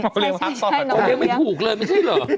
โอเลียงพักต่อไปโอเลียงไม่ถูกเลยไม่ใช่เหรอ